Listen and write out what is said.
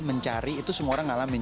mencari itu semua orang ngalamin